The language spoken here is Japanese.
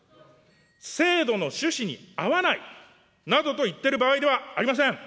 制度の趣旨に合わないなどと言っている場合ではありません。